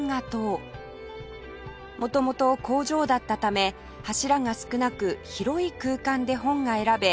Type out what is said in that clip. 元々工場だったため柱が少なく広い空間で本が選べ